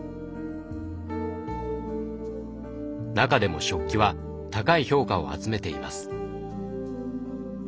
中でも食器は高い評価を集めています。